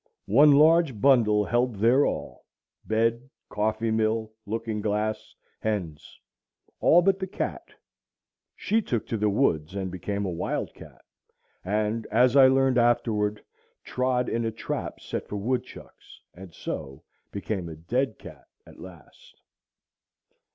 One large bundle held their all,—bed, coffee mill, looking glass, hens,—all but the cat, she took to the woods and became a wild cat, and, as I learned afterward, trod in a trap set for woodchucks, and so became a dead cat at last.